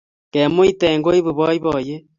kemuite koibu baibaiet